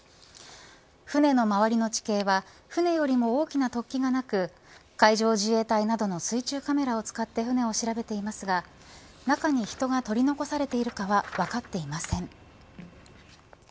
船の周りの地形は船よりも大きな突起がなく海上自衛隊などの水中カメラを使って船を調べていますが中に人が取り残されているかは分かってません。